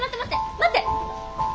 待って！